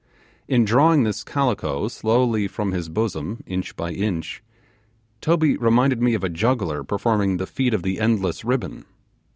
In drawing this calico slowly from his bosom inch by inch, Toby reminded me of a juggler performing the feat of the endless ribbon.